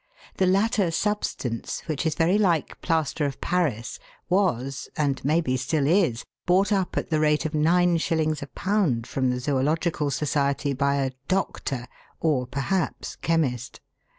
The latter substance, which is very like plaster of Paris, was, and maybe still is, bought up at the rate of nine shillings a pound from the Zoological Society by a " doctor," or, perhaps, chemist.